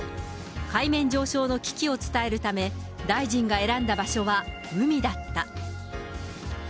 海面上昇の危機を伝えるため、大臣が選んだ場所は海だった。